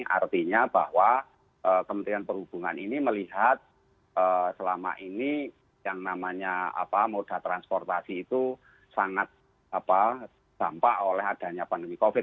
artinya bahwa kementerian perhubungan ini melihat selama ini yang namanya moda transportasi itu sangat dampak oleh adanya pandemi covid